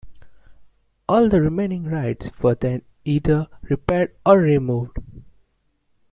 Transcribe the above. All the remaining rides were then either repaired or removed.